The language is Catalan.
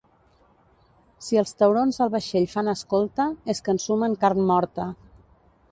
Si els taurons al vaixell fan escolta, és que ensumen carn morta.